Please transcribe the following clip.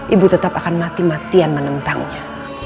ibu tetap akan mati matian menentangnya